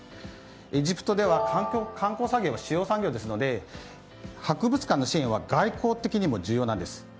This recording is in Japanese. エジプトでは観光が主要産業ですので博物館への支援は外交的にも重要なんです。